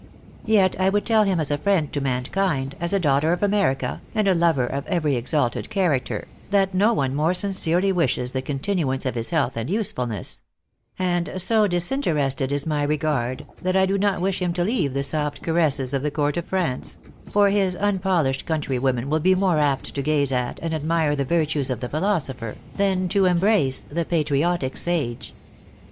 Yet I would tell him as a friend to mankind, as a daughter of America, and a lover of every exalted character, that no one more sincerely wishes the continuance of his health and usefulness; and so disinterested is my regard, that I do not wish him to leave the soft caresses of the court of France; for his unpolished countrywomen will be more apt to gaze at and admire the virtues of the philosopher, than to embrace the patriotic sage."